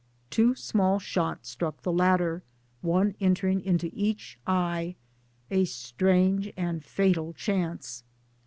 Two small shot struck the latter one entering; into each eye a strange and fatal chance.